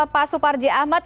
pak suparji ahmad